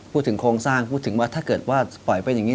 โครงสร้างพูดถึงว่าถ้าเกิดว่าปล่อยเป็นอย่างนี้